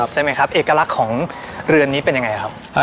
ใช่ไหมครับเอกลักษณ์ของเรือนนี้เป็นยังไงครับ